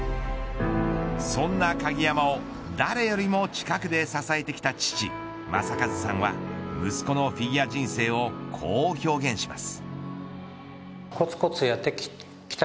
そんな鍵山を誰よりも近くで支えてきた父、正和さんは息子のフィギュア人生をこう表現します。